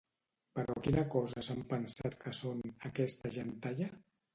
Però quina cosa s'han pensat que són, aquesta gentalla?